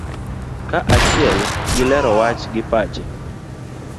kaachiel gi lero wach gi pache